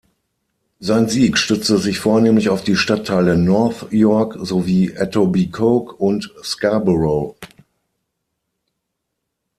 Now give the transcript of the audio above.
Sein Sieg stützte sich vornehmlich auf die Stadtteile North York sowie Etobicoke und Scarborough.